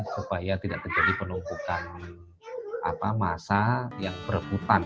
supaya tidak terjadi penumpukan masa yang berebutan